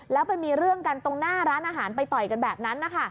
แล้วไปมีเรื่องกันตรงหน้าร้านอาหารไปต่อยกันแบบนั้นนะคะ